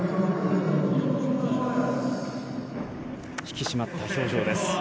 引き締まった表情です。